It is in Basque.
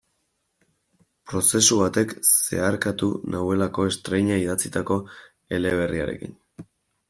Prozesu batek zeharkatu nauelako estreina idatzitako eleberriarekin.